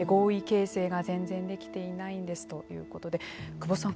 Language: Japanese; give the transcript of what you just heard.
久保さん